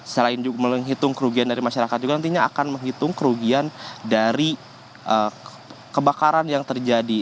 selain menghitung kerugian dari masyarakat juga nantinya akan menghitung kerugian dari kebakaran yang terjadi